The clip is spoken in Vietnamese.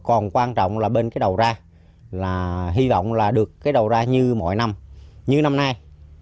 còn quan trọng là bên cái đầu ra là hy vọng là được cái đầu ra như mọi năm như năm nay